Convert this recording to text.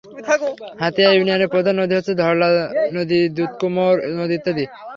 হাতিয়া ইউনিয়নের প্রধান নদী হচ্ছে ধরলা নদী, দুতকুমর নদী ইত্যাদি।